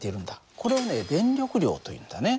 これをね電力量というんだね。